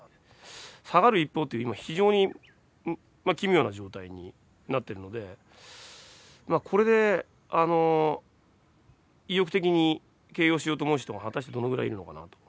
下がる一方というか、非常に奇妙な状態になってるので、これで意欲的に経営しようと思う人は果たしてどのぐらいいるのかなと。